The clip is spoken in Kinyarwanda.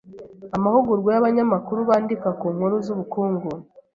amahugurwa y’abanyamakuru bandika ku nkuru z’ubukungu,